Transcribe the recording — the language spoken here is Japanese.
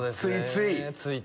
ついつい。